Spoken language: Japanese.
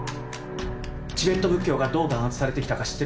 チベット仏教がどう弾圧されて来たか知ってる？